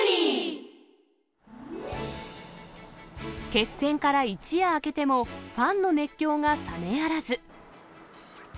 決戦から一夜明けても、ファンの熱狂が冷めやらず。